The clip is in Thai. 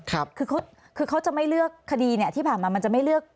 คือเขาจะไม่เลือกคดีที่ผ่านมามันจะไม่เลือก